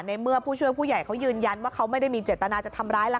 เมื่อผู้ช่วยผู้ใหญ่เขายืนยันว่าเขาไม่ได้มีเจตนาจะทำร้ายแล้ว